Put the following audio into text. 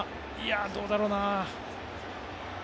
どうだろうな。